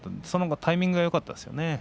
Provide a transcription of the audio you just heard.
そのタイミング、よかったですね。